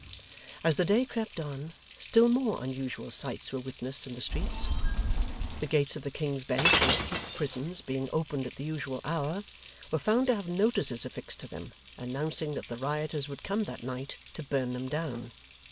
As the day crept on, still more unusual sights were witnessed in the streets. The gates of the King's Bench and Fleet Prisons being opened at the usual hour, were found to have notices affixed to them, announcing that the rioters would come that night to burn them down.